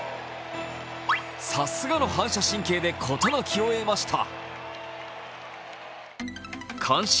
さすがの反射神経で事なきをえました。